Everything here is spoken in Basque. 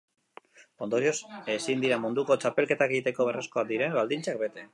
Ondorioz, ezin dira munduko txapelketak egiteko beharrezkoak diren baldintzat bete.